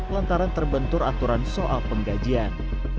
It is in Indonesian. lantaran terbentur aturan soal penggajian